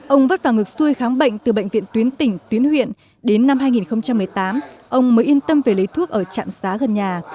ông vất vào ngược xuôi khám bệnh từ bệnh viện tuyến tỉnh tuyến huyện đến năm hai nghìn một mươi tám ông mới yên tâm về lấy thuốc ở trạm xá gần nhà